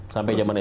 sampai zaman sby